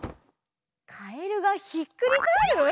「カエルがひっくりかえる」？